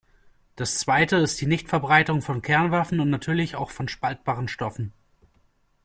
Das Zweite ist die Nichtverbreitung von Kernwaffen und natürlich auch von spaltbaren Stoffen.